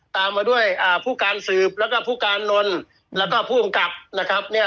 ตามมาด้วยอ่าผู้การสืบแล้วก็หนลแล้วก็ผวงกับนะครับเนี่ย